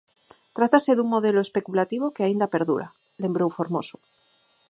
"Trátase dun modelo especulativo que aínda perdura", lembrou Formoso.